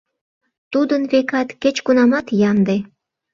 Тудын, векат, кеч-кунамат ямде.